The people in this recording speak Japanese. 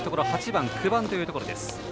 ８番、９番というところ。